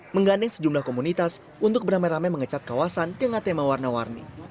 menggandeng sejumlah komunitas untuk beramai ramai mengecat kawasan dengan tema warna warni